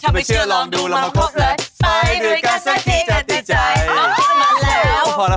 ถ้าไม่เชื่อลองดูลองมาพบเลย